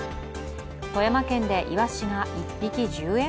富山県でイワシが１匹１０円？